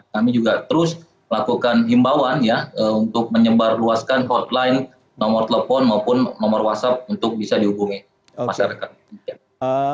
kami juga terus melakukan himbawan ya untuk menyebarluaskan hotline nomor telepon maupun nomor whatsapp untuk bisa dihubungi masyarakat indonesia